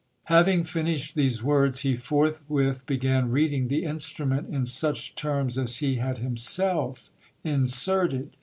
Having finished these words, he forthwith began reading the instrument in such terms as he had himself inserted.